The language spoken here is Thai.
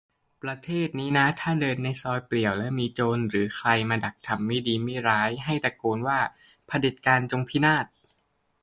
"ประเทศนี้นะถ้าเดินในซอยเปลี่ยวแล้วมีโจรหรือใครมาดักทำมิดีมิร้าย ให้ตะโกนว่า "เผด็จการจงพินาศ